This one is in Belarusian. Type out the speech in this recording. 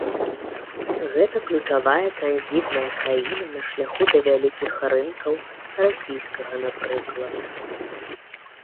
Гэта ключавая транзітная краіна на шляху да вялікіх рынкаў, расійскага, напрыклад.